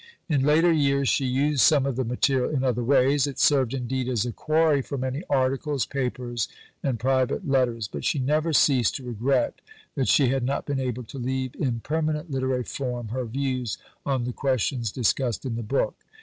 In later years she used some of the material in other ways; it served, indeed, as a quarry for many articles, papers, and private letters; but she never ceased to regret that she had not been able to leave in permanent literary form her views on the questions discussed in the book.